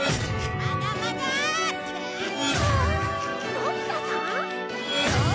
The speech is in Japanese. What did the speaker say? のび太さん！？